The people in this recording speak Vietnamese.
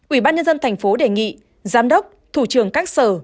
ủy ban nhân dân thành phố đề nghị giám đốc thủ trưởng các sở